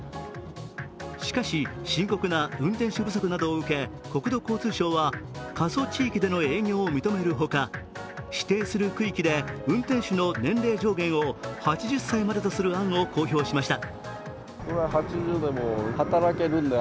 しかし、深刻な運転手不足などを受け国土交通省は過疎地域での営業を認めるほか指定する区域で運転手の年齢上限を８０歳までとする案を公表しました。